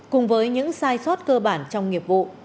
cùng với những sai sót cơ bản trong nghiệp vụ